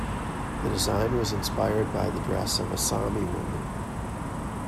The design was inspired by the dress of a Sami woman.